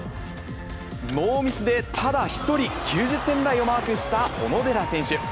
ノーミスでただ一人、９０点台をマークした小野寺選手。